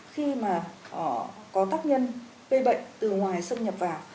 khi mà có tác nhân gây bệnh từ ngoài xâm nhập vào